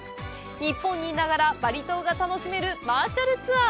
日本にいながらバリ島が楽しめるバーチャルツアー！